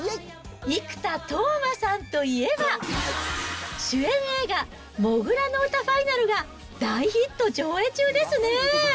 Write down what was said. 生田斗真さんといえば、主演映画、土竜の唄ＦＩＮＡＬが、大ヒット上映中ですね。